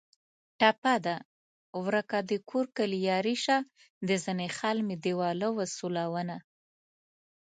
ټپه ده: ورکه دکور کلي یاري شه د زنې خال مې دېواله و سولونه